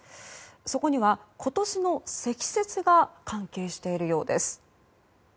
そこには今年の積雪が関係しているようです。